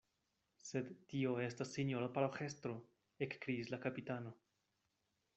Sed tio estas sinjoro paroĥestro, ekkriis la kapitano.